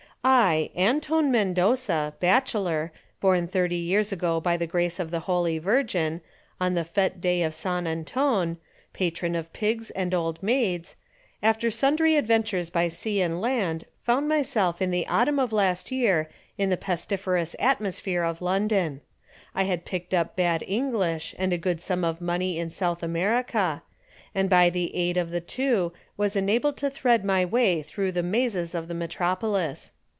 I, Anton Mendoza, bachelor, born thirty years ago by the grace of the Holy Virgin, on the fête day of San Anton, patron of pigs and old maids, after sundry adventures by sea and land, found myself in the autumn of last year in the pestiferous atmosphere of London. I had picked up bad English and a good sum of money in South America, and by the aid of the two was enabled to thread my way through the mazes of the metropolis.